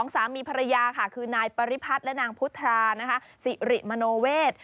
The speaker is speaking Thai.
๒สามีภรรยาคือนายปริพัฒน์และนางพุทธราสิริมโมโนเวท